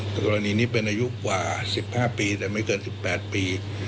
ตัวเป็นนิจเป็นอายุกว่า๑๕ปีแต่ไม่เกิน๑๘ปี